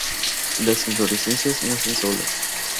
Las inflorescencias nacen solas.